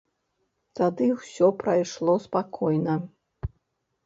Тады ўсё прайшло спакойна.